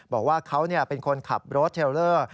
บอกว่าเขาเป็นคนขับรถเทลเลอร์